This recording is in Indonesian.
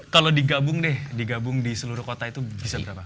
kalau digabung deh digabung di seluruh kota itu bisa berapa